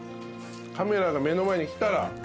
カメラが目の前に来たら。